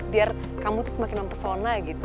biar kamu tuh semakin mempesona gitu